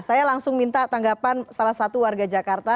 saya langsung minta tanggapan salah satu warga jakarta